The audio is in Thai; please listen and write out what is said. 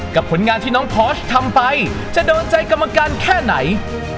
ผลงานที่น้องพอสทำไปจะโดนใจกรรมการแค่ไหน